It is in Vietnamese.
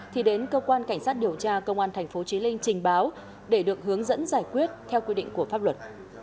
thì đến cơ quan cảnh sát điều tra công an tp chí linh trình báo để được hướng dẫn giải quyết theo quy định của pháp luật